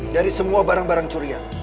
jadi semua barang barang curian